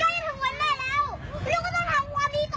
สิ่งที่ผมรู้จากคุณคิดล่ะคุณคุณคิดล่ะ